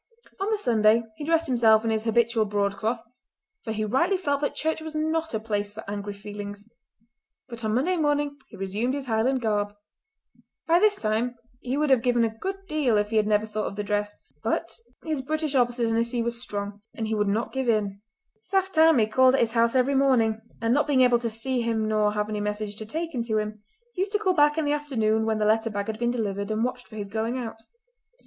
On the Sunday he dressed himself in his habitual broadcloth, for he rightly felt that church was not a place for angry feelings; but on Monday morning he resumed his Highland garb. By this time he would have given a good deal if he had never thought of the dress, but his British obstinacy was strong, and he would not give in. Saft Tammie called at his house every morning, and, not being able to see him nor to have any message taken to him, used to call back in the afternoon when the letter bag had been delivered and watched for his going out.